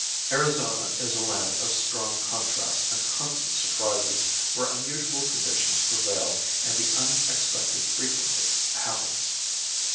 Arizona is a land of strong contrasts and constant surprises, where unusual conditions prevail and the unexpected frequently happens.